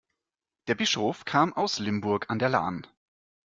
Der Bischof kam aus Limburg an der Lahn.